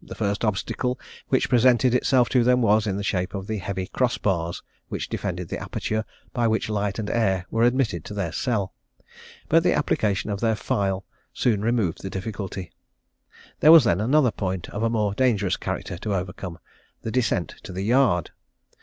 The first obstacle which presented itself to them was in the shape of the heavy cross bars which defended the aperture, by which light and air were admitted to their cell; but the application of their file soon removed the difficulty. There was then another point of a more dangerous character to overcome the descent to the yard.